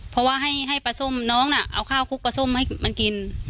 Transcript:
เพราะว่าให้ปลาส้มน้องน่ะเอาข้าวคลุกปลาส้มให้มันกิน